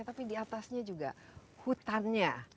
tapi di atasnya juga hutannya